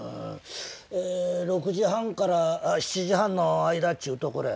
え６時半から７時半の間っちゅうところやな。